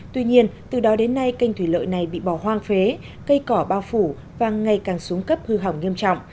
tuy nhiên từ đó đến nay kênh thủy lợi này bị bỏ hoang phế cây cỏ bao phủ và ngày càng xuống cấp hư hỏng nghiêm trọng